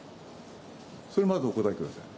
それをまずお答えください。